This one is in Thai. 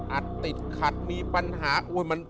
ติดขัดมีปัญหา